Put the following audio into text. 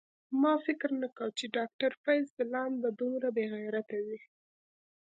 ما فکر نه کاوه چی ډاکټر فیض ځلاند به دومره بیغیرته وی